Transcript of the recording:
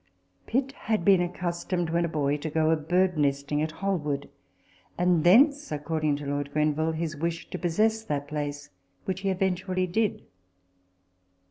Pitt had been accustomed when a boy to go a bird nesting at Holwood, and thence (according to Lord Grenville) his wish to possess that place ; which he eventually did.